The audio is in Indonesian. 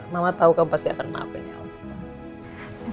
mama tau kamu pasti akan memaafin elsa